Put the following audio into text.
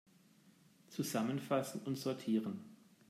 Zusammenfassen und sortieren!